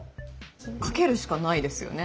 かけるしかないですよね